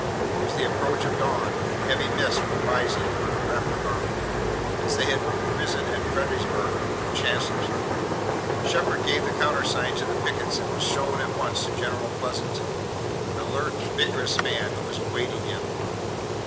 It was the approach of dawn and heavy mists were rising on the Rappahannock, as they had risen at Fredericksburg and Chancellorsville. Shepard gave the countersign to the pickets and was shown at once to General Pleasanton, an alert, vigorous man, who was awaiting him.